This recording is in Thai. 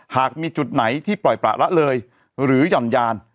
หากมีจุดไหนที่ปล่อยประละเลยหรือหย่อนยาน